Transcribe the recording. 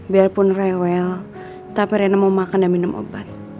biarpun rewel tapi rena mau makan dan minum obat